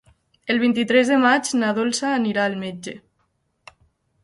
El vint-i-tres de maig na Dolça anirà al metge.